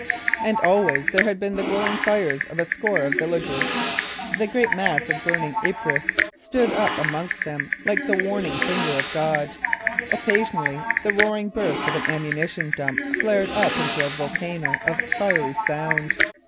And always there had been the glowering fires of a score of villages. The greater mass of burning Ypres stood up amongst them like the warning finger of God. Occasionally the roaring burst of an ammunition dump flared up into a volcano of fiery sound.